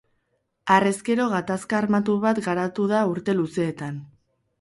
Harrezkero gatazka armatu bat garatu da urte luzeetan.